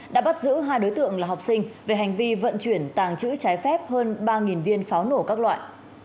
đã bắt giữ hai đối tượng là học sinh về hành vi vận chuyển tàng trữ trái phép hơn ba viên pháo nổ các loại